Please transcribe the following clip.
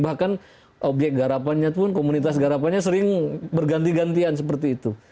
bahkan obyek garapannya pun komunitas garapannya sering berganti gantian seperti itu